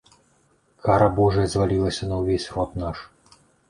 Кара божая звалілася на ўвесь род наш.